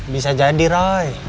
bisa jadi roy